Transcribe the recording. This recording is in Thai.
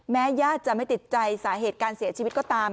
ญาติจะไม่ติดใจสาเหตุการเสียชีวิตก็ตาม